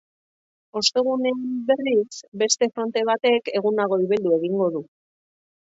Ostegunean, berriz, beste fronte batek eguna goibeldu egingo du.